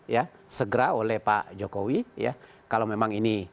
ya segera oleh pak jokowi ya kalau memang ini